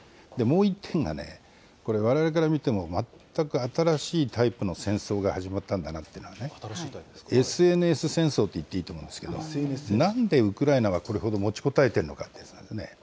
もう１点がね、これ、われわれから見ても、全く新しいタイプの戦争が始まったんだなというのはね、ＳＮＳ戦争っていっていいと思うんですけど、なんでウクライナはこれほど持ちこたえてるかってやつなんだよね。